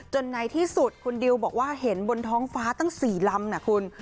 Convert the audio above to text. ในที่สุดคุณดิวบอกว่าเห็นบนท้องฟ้าตั้ง๔ลำนะคุณ